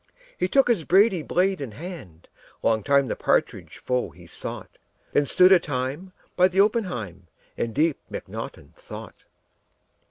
He took his brady blade in hand; Long time the partridge foe he sought. Then stood a time by the oppenheim In deep mcnaughton thought.